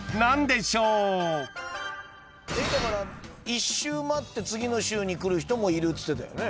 １週待って次の週に来る人もいるっつってたよね。